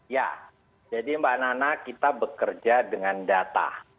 ya jadi mbak nana kita bekerja dengan data